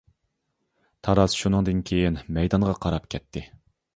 تاراس شۇنىڭدىن كېيىن مەيدانغا قاراپ كەتتى.